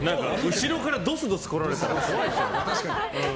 後ろから、どすどす来られたら怖いから。